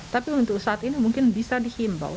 tapi untuk saat ini mungkin bisa dihimbau